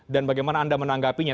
dan bagaimana anda menanggapinya